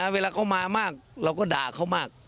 เวลาเขามามากเราก็ด่าเขามาก